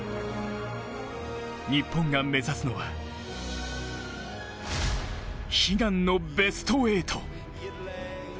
日本が目指すのは悲願のベスト８。